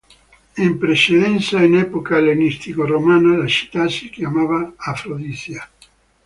In precedenza, in epoca ellenistico-romana, la città si chiamava Afrodisia.